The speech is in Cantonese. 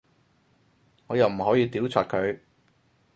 我又唔可以屌柒佢